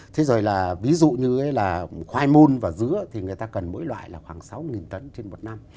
thế rồi là ví dụ như là khoai môn và dứa thì người ta cần mỗi loại là khoảng sáu tấn trên một năm